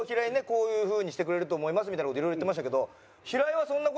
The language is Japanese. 「こういう風にしてくれると思います」みたいな事いろいろ言ってましたけど平井はそんな事。